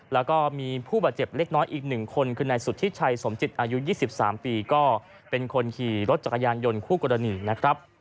แล้วก็มีผู้บาดเจ็บเล็กน้อยอีก๑คนคือนายสุธิชัยสมจิตอายุ๒๓ปีก็เป็นคนขี่รถจักรยานยนต์คู่กรณีนะครับ